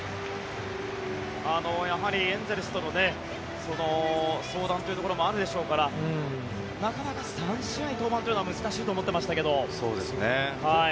やはりエンゼルスとの相談というところもあるでしょうからなかなか３試合登板は難しいと思ってましたけど。